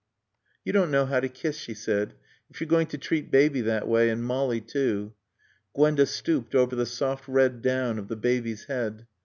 "You don't know how to kiss," she said. "If you're going to treat Baby that way, and Molly too " Gwenda stooped over the soft red down of the baby's head.